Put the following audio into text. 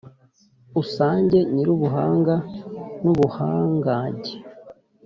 usange nyir’ubuhanga n’ubuhangage